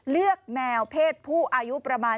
เลือกแมวเพศผู้อายุประมาณ